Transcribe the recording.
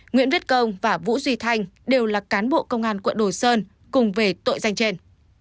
nguyễn viết công và vũ duy thanh đều là cán bộ công an quận đồ sơn cùng về tội danh trên